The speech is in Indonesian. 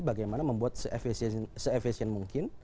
bagaimana membuat se efesien mungkin